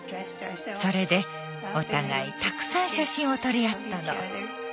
それでお互いたくさん写真を撮り合ったの。